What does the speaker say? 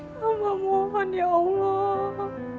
ya allah mohon ya allah